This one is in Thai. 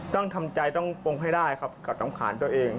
ต้องทำใจต้องปงให้ได้ครับกับน้ำขานตัวเอง